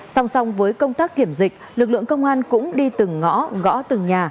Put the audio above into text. song song với công tác kiểm dịch lực lượng công an cũng đi từng ngõ gõ từng nhà